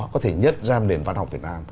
có thể nhận ra nền văn học việt nam